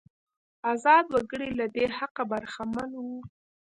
ازاد وګړي له دې حقه برخمن وو.